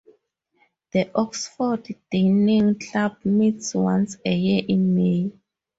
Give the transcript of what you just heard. The Oxford Dining Club meets once a year, in May.